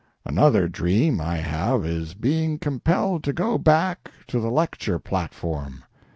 Another dream I have is being compelled to go back to the lecture platform.